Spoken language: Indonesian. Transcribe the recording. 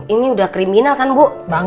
ini udah kriminal kan bu